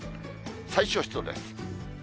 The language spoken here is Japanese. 最小湿度です。